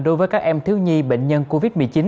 đối với các em thiếu nhi bệnh nhân covid một mươi chín